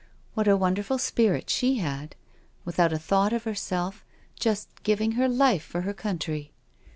What a wonderful spirit she had I Without a thought of herself— just giving her life for her country.